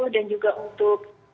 dan juga untuk